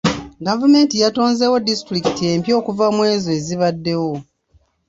Gavumenti yatonzeewo disitulikiti empya okuva mw'ezo ezibaddewo.